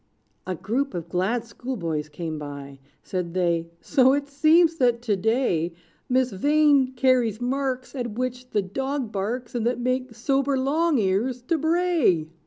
A group of glad schoolboys came by: Said they, "So it seems, that to day, Miss Vain carries marks At which the dog barks, And that make sober Long Ears to bray."